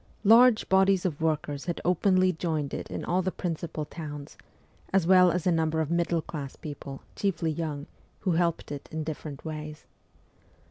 Large bodies of workers had openly joined it in all the principal towns, as well as a number of middle class people, chiefly young, who helped it in different ways.